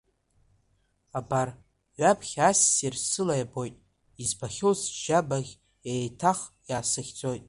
Абар, ҩаԥхьа ассир сыла иабоит, избахьоу сжьабаӷь, еиҭах иаасыхьӡоит.